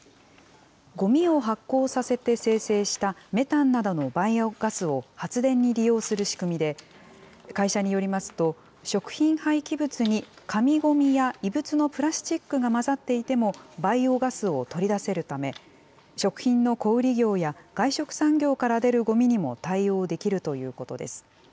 ごみを発酵させて生成したメタンなどのバイオガスを発電に利用する仕組みで、会社によりますと、食品廃棄物に紙ごみや異物のプラスチックが混ざっていてもバイオガスを取り出せるため、食品の小売り業や、外食産業から出るごみにも対応できるということです。